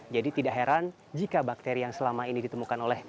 jadi tidak heran jika bakteri yang selama ini ditemukan oleh mereka